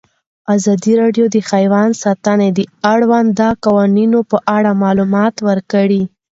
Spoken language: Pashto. ازادي راډیو د حیوان ساتنه د اړونده قوانینو په اړه معلومات ورکړي.